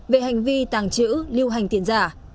về hành vi tàng trữ lưu hành tiền giả